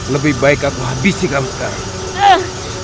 lebih baik aku habisi kamu sekarang